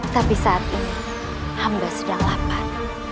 tapi saat ini hamba sedang lapar